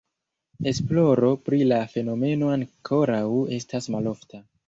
Esploro pri la fenomeno ankoraŭ estas malofta.